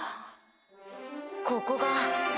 ここが。